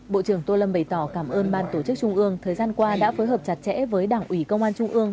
bộ trưởng tô lâm bày tỏ cảm ơn ban tổ chức trung ương thời gian qua đã phối hợp chặt chẽ với đảng ủy công an trung ương